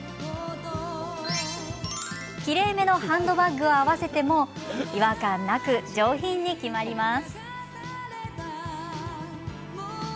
きれいめのハンドバッグを合わせても違和感なく上品に決まります。